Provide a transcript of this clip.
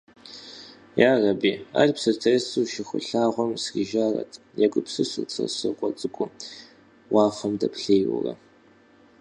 «Ярэби, алъп сытесу Шыхулъагъуэм срижарэт», егупсысырт Сосрыкъуэ цӏыкӏу уафэм дэплъейуэрэ.